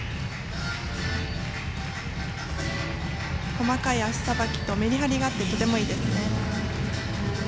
細かい足さばきとメリハリがあってとてもいいですね。